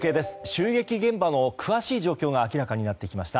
襲撃現場の詳しい状況が明らかになってきました。